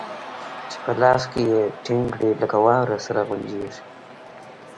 چې په لاس کښې يې ټينګ کړې لکه واوره سره غونجېږي.